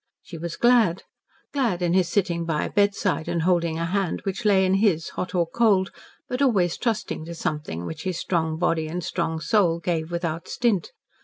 She was glad glad in his sitting by a bedside and holding a hand which lay in his hot or cold, but always trusting to something which his strong body and strong soul gave without stint.